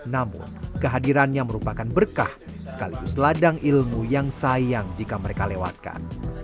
namun kehadirannya merupakan berkah sekaligus ladang ilmu yang sayang jika mereka lewatkan